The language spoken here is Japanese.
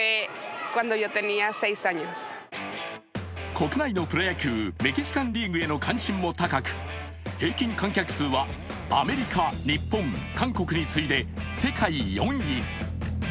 国内のプロ野球メキシカンリーグへの関心も高く、平均観客数は、アメリカ、日本、韓国に次いで世界４位。